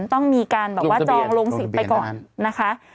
ต้องมีการแบบว่าจองลงสิทธิ์ไปก่อนนะคะ